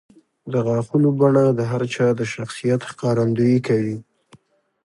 د غاښونو بڼه د هر چا د شخصیت ښکارندویي کوي.